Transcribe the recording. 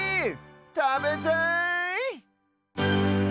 たべたい！